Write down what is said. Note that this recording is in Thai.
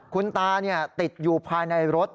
คุณตาเนี่ยติดอยู่ภายในรถ